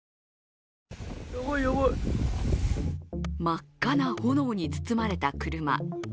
真っ赤な炎に包まれた車。